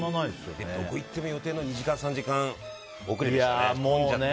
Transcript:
どこ行っても２時間、３時間遅れでしたね。